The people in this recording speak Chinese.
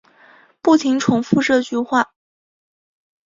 不停重复这句话